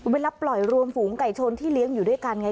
เวลาปล่อยรวมฝูงไก่ชนที่เลี้ยงอยู่ด้วยกันไง